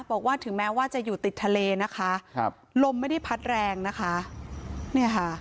บอกว่าถึงแม้ว่าจะอยู่ติดทะเลนะคะครับลมไม่ได้พัดแรงนะคะเนี่ยค่ะ